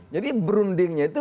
jadi berundingnya itu